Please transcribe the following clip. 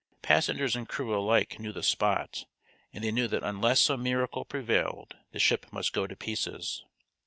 Passengers and crew alike knew the spot, and they knew that unless some miracle prevailed the ship must go to pieces.